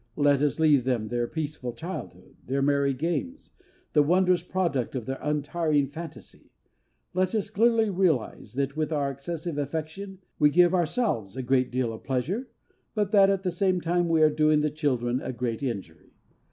Let us leave them their peaceful childhood, their merry games, the wondrous product of their untiring phantasy. Let us clearly realize that with our excessive affection we give ourselves a great deal of pleasure but that at the same time we are doing the children a great injury.